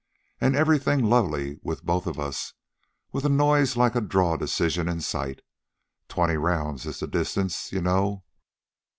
An' everything lovely with both of us, with a noise like a draw decision in sight. Twenty rounds is the distance, you know.